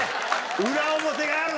裏表があるな。